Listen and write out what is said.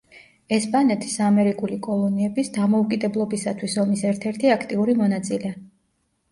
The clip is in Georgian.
ესპანეთის ამერიკული კოლონიების დამოუკიდებლობისათვის ომის ერთ-ერთი აქტიური მონაწილე.